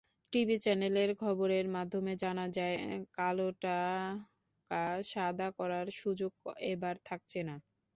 টিভি-চ্যানেলের খবরের মাধ্যমে জানা যায়, কালোটাকা সাদা করার সুযোগ এবার থাকছে না।